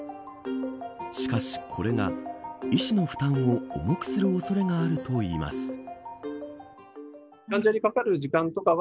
しかし、これが医師の負担を重くする恐れがあるといいます。